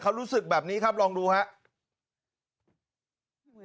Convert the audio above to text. เขารู้สึกแบบนี้ครับลองดูครับ